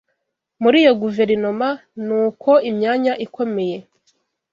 Muri iyo Guverinoma ni uko imyanya ikomeye